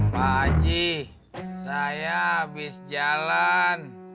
pak haji saya habis jalan